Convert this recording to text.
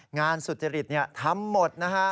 งานสุจริตนี่ทำหมดนะฮะ